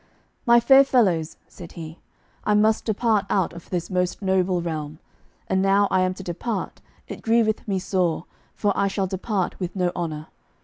"My fair fellows," said he: "I must depart out of this most noble realm. And now I am to depart, it grieveth me sore, for I shall depart with no honour.